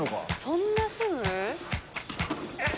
そんなすぐ？